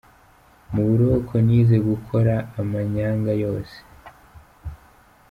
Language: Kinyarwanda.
“Mu buroko nize gukora amanyanga yose.